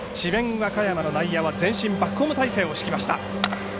和歌山の内野はバックホーム態勢を敷きました。